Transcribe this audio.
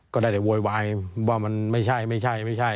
ก็ได้แต่โวยวายว่ามันไม่ใช่ไม่ใช่